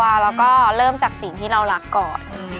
แล้วก็เริ่มจากสิ่งที่เรารักก่อน